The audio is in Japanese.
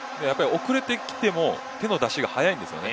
遅れてきても手の出しが速いんですよね。